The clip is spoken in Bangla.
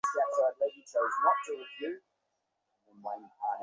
আমার কতই না ইচ্ছা ছিল খেতড়ির রাজার সঙ্গে লণ্ডনে গিয়ে সেখানকার আমন্ত্রণ গ্রহণ করার।